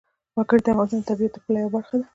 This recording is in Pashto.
وګړي د افغانستان د طبیعت د ښکلا یوه مهمه برخه ده.